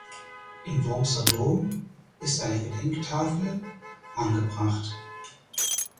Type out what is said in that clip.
Im Wormser Dom ist eine Gedenktafel angebracht.